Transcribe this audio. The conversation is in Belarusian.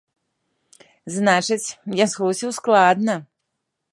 Значыць, я хлусіў складна.